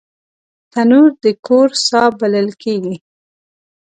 تنور د کور ساه بلل کېږي